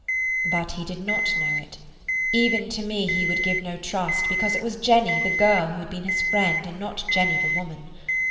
But he did not know it. Even to me he would give no trust, because it was Jenny the girl who had been his friend and not Jenny the woman.